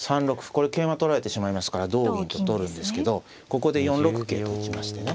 これ桂馬取られてしまいますから同銀と取るんですけどここで４六桂と打ちましてね